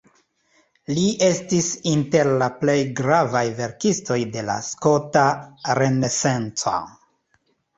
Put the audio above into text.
Li estis inter la plej gravaj verkistoj de la skota renesanco.